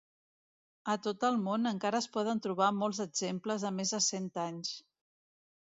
A tot el món encara es poden trobar molts exemples de més de cent anys.